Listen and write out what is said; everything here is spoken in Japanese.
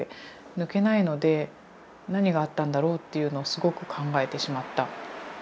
抜けないので何があったんだろう？っていうのをすごく考えてしまった。